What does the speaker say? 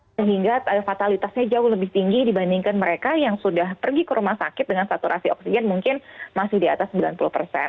sehingga fatalitasnya jauh lebih tinggi dibandingkan mereka yang sudah pergi ke rumah sakit dengan saturasi oksigen mungkin masih di atas sembilan puluh persen